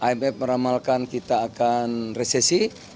imf meramalkan kita akan resesi